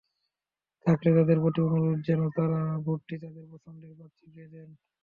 থাকলে তাঁদের প্রতি অনুরোধ, যেন তাঁরা ভোটটি তাঁদের পছন্দের প্রার্থীকে দেন।